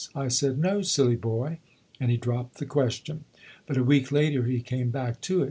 I said ' No, silly boy !' and he dropped the question ; but a week later he came back to it.